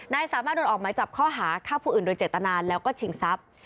สามารถโดนออกหมายจับข้อหาฆ่าผู้อื่นโดยเจตนาแล้วก็ชิงทรัพย์